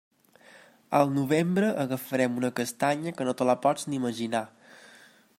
Al novembre agafarem una castanya que no te la pots ni imaginar.